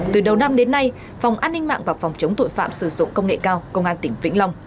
từ đầu năm đến nay phòng an ninh mạng và phòng chống tội phạm sử dụng công nghệ cao công an tỉnh vĩnh long